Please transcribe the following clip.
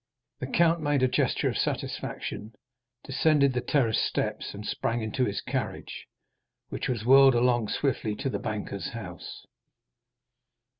The Count made a gesture of satisfaction, descended the terrace steps, and sprang into his carriage, which was whirled along swiftly to the banker's house.